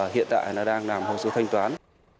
hiện tại đang làm hồ sơ thanh toán